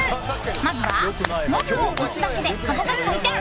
まずは、ノブを押すだけでかごが回転！